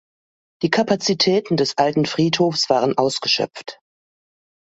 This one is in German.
Die Kapazitäten des alten Friedhofs waren ausgeschöpft.